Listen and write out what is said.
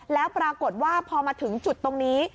แล้วปรากฏว่าพอมาถึงจุดตรงนี้